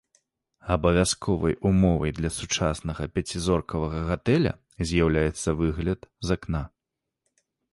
Абавязковай умовай для сучаснага пяцізоркавага гатэля з'яўляецца выгляд з акна.